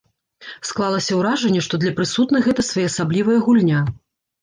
Склалася ўражанне, што для прысутных гэта своеасаблівая гульня.